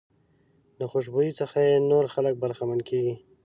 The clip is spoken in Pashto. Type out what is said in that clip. د خوشبويۍ څخه یې نور خلک برخمن کېږي.